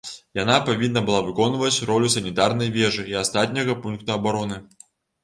Яна павінна была выконваць ролю санітарнай вежы і астатняга пункта абароны.